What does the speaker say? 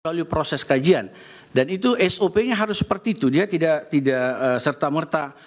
melalui proses kajian dan itu sop nya harus seperti itu dia tidak serta merta